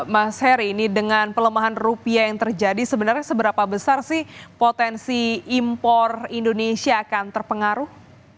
mas heri ini dengan pelemahan rupiah yang terjadi sebenarnya seberapa besar sih potensi impor indonesia akan terpengaruh